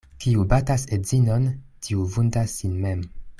Kiu batas edzinon, tiu vundas sin mem.